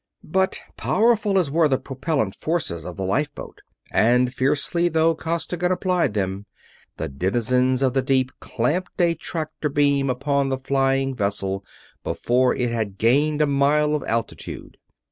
But powerful as were the propellant forces of the lifeboat and fiercely though Costigan applied them, the denizens of the deep clamped a tractor beam upon the flying vessel before it had gained a mile of altitude.